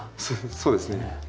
そうですね。